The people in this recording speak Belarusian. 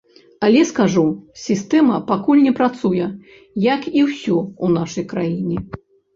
Але скажу, сістэма пакуль не працуе, як і ўсё ў нашай краіне.